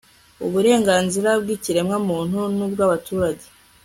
uburenganzira bw'ikiremwamuntu n'ubw'abaturage